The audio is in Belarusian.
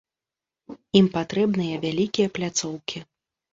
Ім патрэбныя вялікія пляцоўкі.